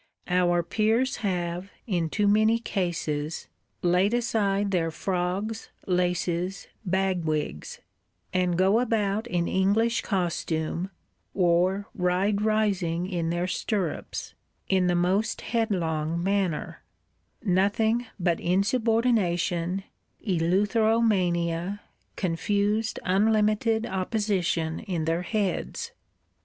Our Peers have, in too many cases, laid aside their frogs, laces, bagwigs; and go about in English costume, or ride rising in their stirrups,—in the most headlong manner; nothing but insubordination, eleutheromania, confused unlimited opposition in their heads.